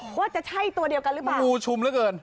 ว่าจะใช่ตัวเดียวกันหรือเปล่างูชุมเหลือเกิน